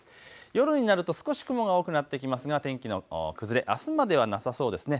夜になると少し雲が多くなってきますが天気の崩れ、あすまではなさそうですね。